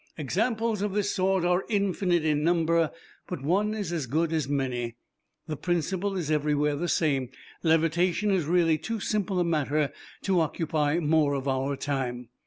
"Examples of this sort are infinite in number, but one is as good as many. The principle is everywhere the same. Levitation is really too simple a matter to occupy more of our time.